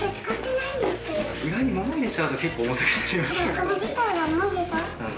それ自体が重いでしょ。